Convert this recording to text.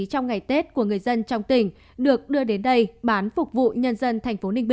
trong ngày tết của người dân trong tỉnh